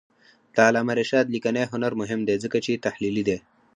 د علامه رشاد لیکنی هنر مهم دی ځکه چې تحلیلي دی.